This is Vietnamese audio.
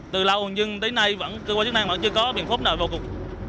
từ lâu nhưng đến nay vẫn chưa có biện pháp nào vào cục